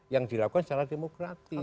yang dilakukan secara demokratis